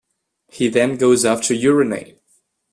He then goes off to urinate.